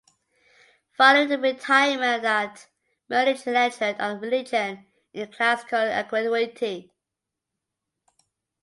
Following the retirement of at Munich he lectured on religion in classical antiquity.